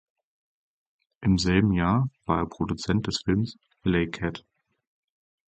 Im selben Jahr war er Produzent des Films "Alley Cat".